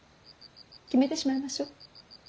決めてしまいましょう。